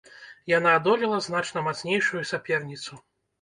Яна адолела значна мацнейшую саперніцу.